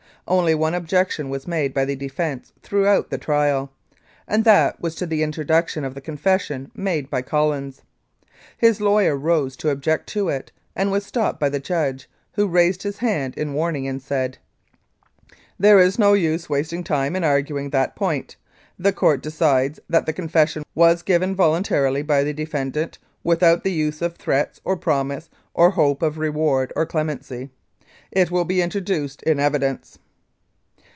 Only one objection was made by the defence throughout the trial, and that was to the introduction of the confession made by Collins. His lawyer rose to object to it and was stopped by the Judge, who raised his hand in warning, and said :"' There is no use wasting time in arguing that point. The Court decides that the confession was given voluntarily by the defendant, without the use of threats or promise or hope of reward or clemency. It will be introduced in evidence.'